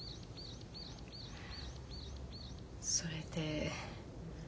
それで。